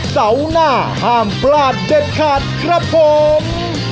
เสาร์หน้าห้ามพลาดเด็ดขาดครับผม